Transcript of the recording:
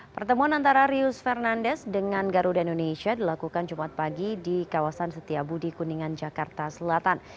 pertemuan antara rius fernandes dengan garuda indonesia dilakukan jumat pagi di kawasan setiabudi kuningan jakarta selatan